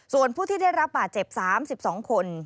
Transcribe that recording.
ส่วนผู้ที่ได้รับบาดเจ็บ๓๒คน